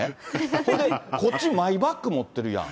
ほいで、こっちマイバッグ持ってるやん。